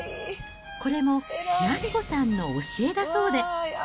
これも安子さんの教えだそうで。